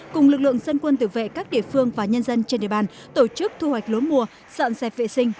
cùng lực lượng dân quân tử vệ các địa phương và nhân dân trên địa bàn tổ chức thu hoạch lúa mùa dọn dẹp vệ sinh